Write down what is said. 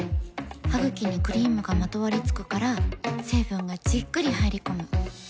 ハグキにクリームがまとわりつくから成分がじっくり入り込む。